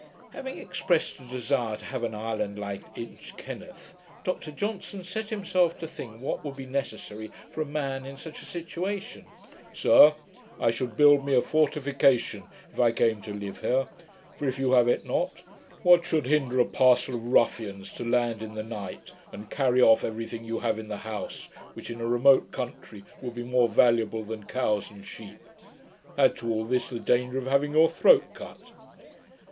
Having expressed a desire to have an island like Inchkenneth, Dr Johnson set himself to think what would be necessary for a man in such a situation. 'Sir, I should build me a fortification, if I came to live here; for, if you have it not, what should hinder a parcel of ruffians to land in the night, and carry off every thing you have in the house, which, in a remote country, would be more valuable than cows and sheep? Add to all this the danger of having your throat cut.'